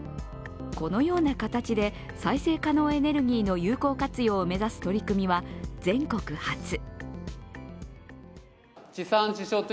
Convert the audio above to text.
このような形で再生可能エネルギーの有効活用を目指す取り組みは全国初。